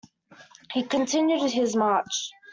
He continued his march.